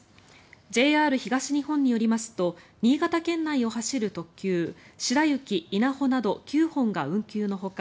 ＪＲ東日本によりますと新潟県内を走る特急しらゆき、いなほなど９本が運休のほか